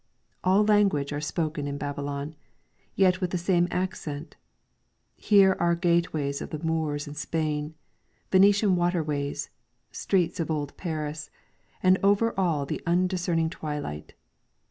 All languages are spoken in Babylon, yet with the same accent ; here are gateways of the Moors in Spain, Venetian waterways, streets of Old Paris, and over all the undiscerning twilight.